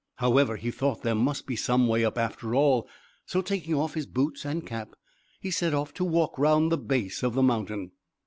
However, he thought there must be some way up after all; so taking off his boots and cap, he set off to walk round the base of the mountain.